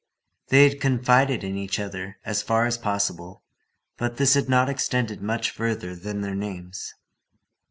They had confided in each other as far as possible, but this had not extended much further than their names.